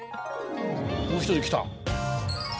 もう一人来た。